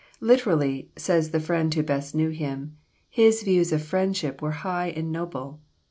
"Literally," says the friend who best knew him, "his views of friendship were high and noble.